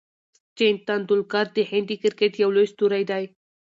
سچن ټندولکر د هند د کرکټ یو لوی ستوری دئ.